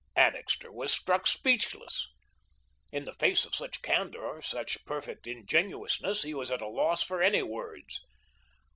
Annixter was struck speechless. In the face of such candour, such perfect ingenuousness, he was at a loss for any words.